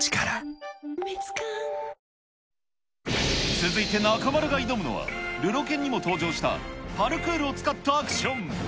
続いて中丸が挑むのは、るろ剣にも登場した、パルクールを使ったアクション。